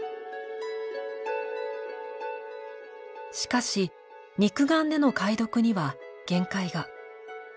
しかし肉眼での解読には限界が。